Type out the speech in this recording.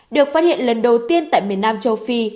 được phát hiện lần đầu tiên tại miền nam châu phi